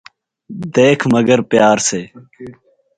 دیکھ مگر پیار سے